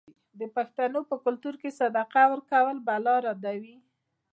د پښتنو په کلتور کې صدقه ورکول بلا ردوي.